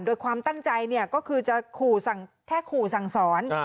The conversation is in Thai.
โดยความตั้งใจก็คือจะขู่แค่ขู่สั่งสอน